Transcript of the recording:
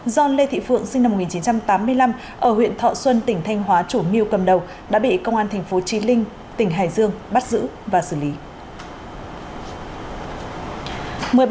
john lê thị phượng sinh năm một nghìn chín trăm tám mươi năm ở huyện thọ xuân tỉnh thanh hóa chủ nhiêu cầm đầu đã bị công an tp chí linh tỉnh hải dương bắt giữ và xử lý